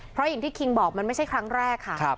เพราะอย่างที่คิงบอกมันไม่ใช่ครั้งแรกค่ะ